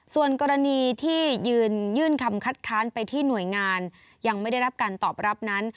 ส่วนกรณีที่ยื่นคำคัดค้านไปที่หน่วยงานยังไม่ได้รับการตอบรับนั้น